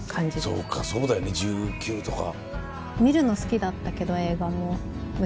そうかそうだよね１９とか。